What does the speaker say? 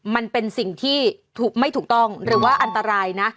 มันเป็นสิ่งที่ไม่ถูกต้องหรือว่าอันตรายนะ